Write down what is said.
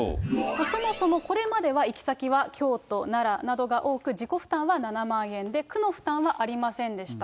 そもそもこれまでは行き先は京都、奈良などが多く、自己負担は７万円で、区の負担はありませんでした。